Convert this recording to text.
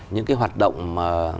những cái hoạt động mà